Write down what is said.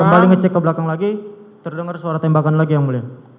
kembali ngecek ke belakang lagi terdengar suara tembakan lagi yang mulia